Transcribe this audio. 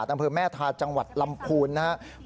ตำบลแม่ทาจังหวัดลำคูณนะครับ